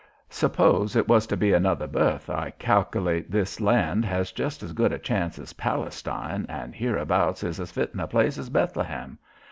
Suppose it was to be another birth. I callate this land has just as good a chance as Palestine and hereabouts is as fittin' a place as Bethlehem.